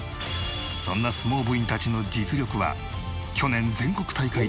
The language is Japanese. そんな相撲部員たちの実力は去年全国大会で優勝。